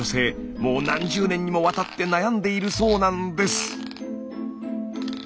もう何十年にもわたって悩んでいるそうなんです。